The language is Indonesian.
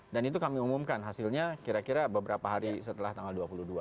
dan itu kami umumkan hasilnya kira kira beberapa hari setelah tanggal dua puluh dua